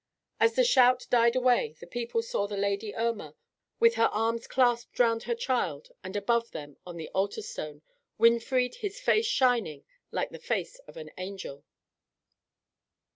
As the shout died away the people saw the lady Irma, with her arms clasped round her child, and above them, on the altar stone, Winfried, his face shining like the face of an angel.